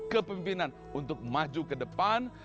kepimpinan untuk maju ke depan